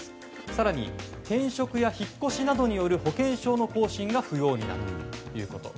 更に転職や引っ越しなどによる保険証の更新が不要になるということ。